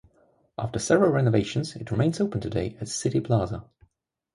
After several renovations, it remains open today as Citi Plaza.